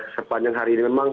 sepanjang hari ini memang